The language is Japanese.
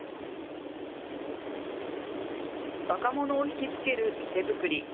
若者を引き付ける店作り。